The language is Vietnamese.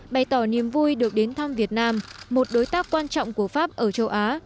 bày tỏ niềm vui được đến thăm việt nam một đối tác quan trọng của pháp ở châu á